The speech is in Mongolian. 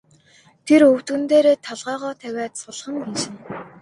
Тэр өвдгөн дээрээ толгойгоо тавиад сулхан гиншинэ.